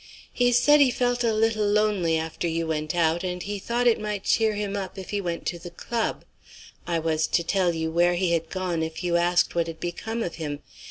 "He said he felt a little lonely after you went out, and he thought it might cheer him up if he went to the club. I was to tell you where he had gone if you asked what had become of him.